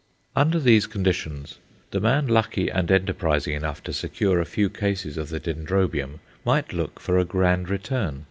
Under these conditions, the man lucky and enterprising enough to secure a few cases of the Dendrobium might look for a grand return.